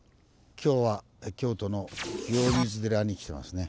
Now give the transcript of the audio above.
今日は京都の清水寺に来てますね。